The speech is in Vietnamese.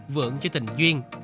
vượng cho tình duyên